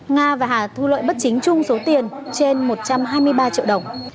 nga và hà thu lợi bất chính chung số tiền trên một trăm hai mươi ba triệu đồng